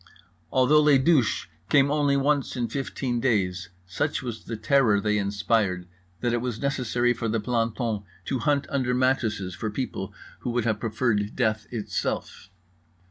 Although les douches came only once in 15 days, such was the terror they inspired that it was necessary for the planton to hunt under mattresses for people who would have preferred death itself.